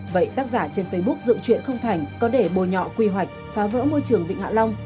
vậy tác giả trên facebook dựng chuyện không thành có để bồi nhọ quy hoạch phá vỡ môi trường vịnh hạ long